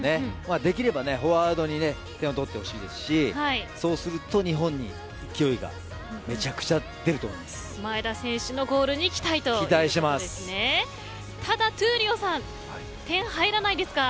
できればフォワードに点を取ってほしいですしそうすると日本に勢いがめちゃくちゃ前田選手のゴールに期待ということですね。